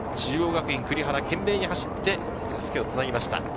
中央学院・栗原が懸命に走って、襷をつなぎました。